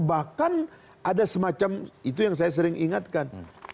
bahkan ada semacam itu yang saya sering ingatkan